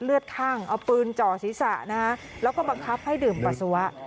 เลือดข้างเอาปืนจ่อศีรษะนะฮะแล้วก็บังคับให้ดื่มปัสสาวะ